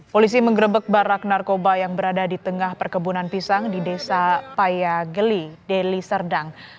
polisi mengerebek barak narkoba yang berada di tengah perkebunan pisang di desa payageli deli serdang